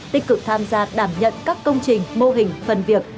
tích cực tham gia đảm nhận các công trình mô hình phần việc